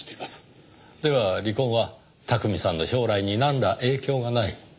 では離婚は巧さんの将来になんら影響がない。